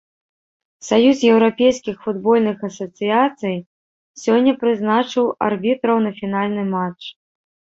Саюз еўрапейскіх футбольных асацыяцый сёння прызначыў арбітраў на фінальны матч.